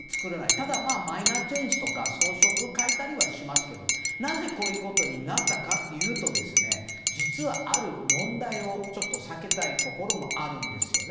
ただ、マイナーチェンジとか装飾を変えたりはしますけどなぜ、こういうことになったかというと実は、ある問題を避けたいところもあるんです。